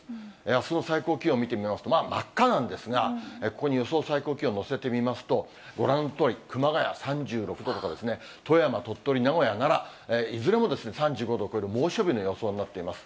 あすの最高気温を見てみますと、真っ赤なんですが、ここに予想最高気温を乗せてみますと、ご覧のとおり、熊谷３６度とかですね、富山、鳥取、名古屋、奈良、いずれも３５度を超える猛暑日の予想になっています。